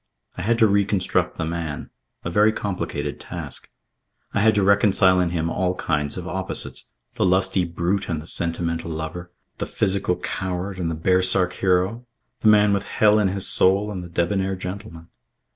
I had to reconstruct the man, a very complicated task. I had to reconcile in him all kinds of opposites the lusty brute and the sentimental lover; the physical coward and the baresark hero; the man with hell in his soul and the debonair gentleman.